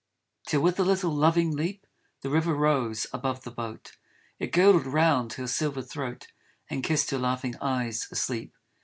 Till with a little loving leap The river rose above the boat, It girdled round her silver throat And kissed her laughing eyes asleep.